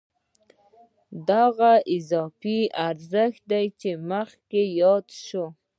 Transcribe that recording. دا هماغه اضافي ارزښت دی چې مخکې یاد شو